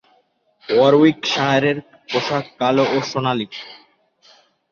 ওয়ারউইকশায়ারের পোশাক কালো ও সোনালী।